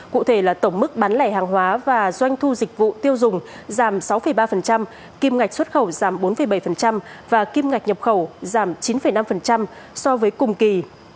cụ thể là tổng mức bán lẻ hàng hóa và doanh thu dịch vụ tiêu dùng giảm sáu ba kim ngạch xuất khẩu giảm bốn bảy và kim ngạch nhập khẩu giảm chín năm so với cùng kỳ